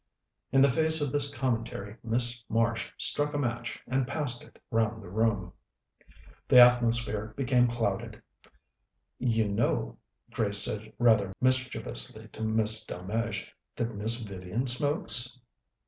In the face of this commentary Miss Marsh struck a match, and passed it round the room. The atmosphere became clouded. "You know," Grace said rather mischievously to Miss Delmege, "that Miss Vivian smokes?"